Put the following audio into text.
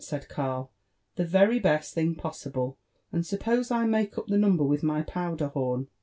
cried Karl, "the very best thing possibk: and sup pose I make up the number wilh my powder horn?"